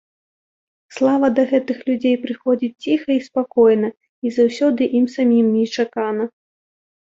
Слава да гэтых людзей прыходзіць ціха і спакойна, і заўсёды ім самім нечакана.